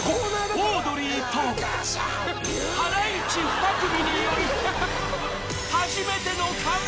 ［オードリーとハライチ２組による］